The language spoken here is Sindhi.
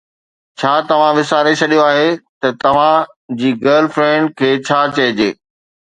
ڇا توهان وساري ڇڏيو آهي ته توهان جي گرل فرينڊ کي ڇا چئجي؟